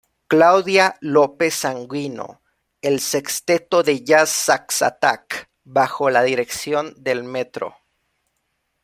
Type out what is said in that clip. Claudia López Sanguino; el Sexteto de Jazz "Sax Attack", bajo la dirección del mtro.